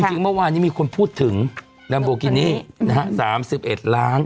จริงเมื่อวานนี้มีคนพูดถึงแรมโบกินี่นะฮะ๓๑ล้าน